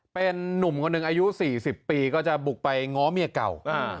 เป็นนุ่มคนหนึ่งอายุ๔๐ปีก็จะบุกไปง้อเมียเก่า